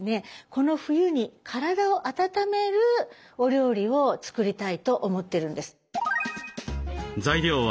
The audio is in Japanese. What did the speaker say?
この冬に体を温めるお料理を作りたいと思ってるんです。